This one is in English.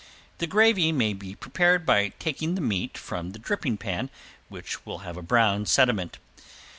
The gravy may be prepared by taking the meat from the dripping pan which will have a brown sediment.